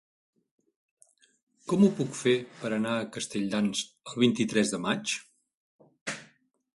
Com ho puc fer per anar a Castelldans el vint-i-tres de maig?